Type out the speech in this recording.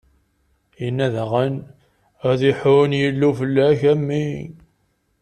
Inna daɣen: Ad iḥunn Yillu fell-ak, a mmi!